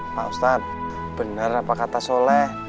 pak ustadz benar apa kata soleh